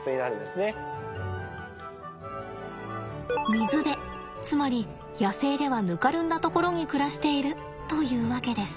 水辺つまり野生ではぬかるんだところに暮らしているというわけです。